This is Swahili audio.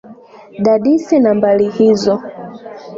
Dadisi nambari hizo.